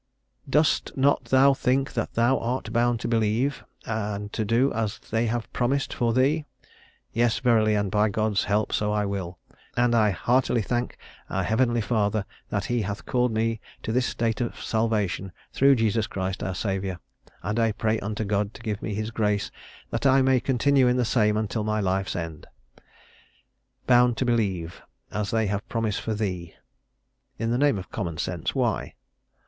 "Dost thou not think that thou art bound to believe, and to do as they have promised for thee?" "Yes, verily; and by God's help so I will. And I heartily thank our heavenly Father, that he hath called me to this state of salvation, through Jesus Christ our Saviour. And I pray unto God to give me his grace, that I may continue in the same unto my life's end." "Bound to believe... as they have promised for thee!" In the name of common sense, why?